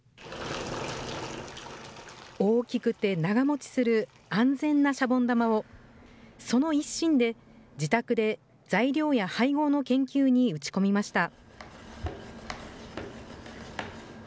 大きくて長もちする安全なシャボン玉を、その一心で、自宅で材料や配合の研究に打ち込みました。